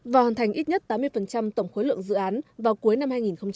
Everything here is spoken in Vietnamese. và hoàn thành ít nhất tám mươi tổng khối lượng dự án vào cuối năm hai nghìn hai mươi